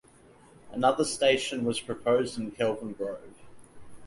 Another station was proposed in Kelvin Grove.